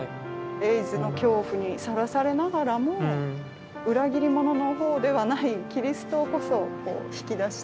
エイズの恐怖にさらされながらも裏切り者のほうではないキリストをこそこう引き出して。